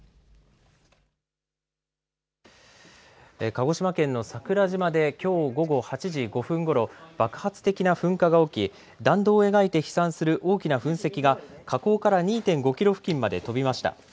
鹿児島県の桜島できょう午後８時５分ごろ、爆発的な噴火が起き弾道を描いて飛散する大きな噴石が火口から２．５キロ付近まで飛びました。